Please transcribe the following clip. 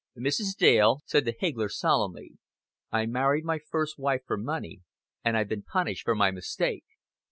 "Mrs. Dale," said the higgler, solemnly, "I married my first wife for money, and I've been punished for my mistake.